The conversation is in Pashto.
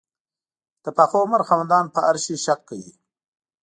د پاخه عمر خاوندان په هر شي شک کوي.